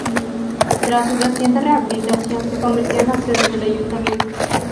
Tras su reciente rehabilitación, se convirtió en la sede del Ayuntamiento.